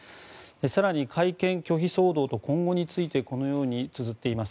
更に会見拒否騒動と今後についてこのようにつづっています。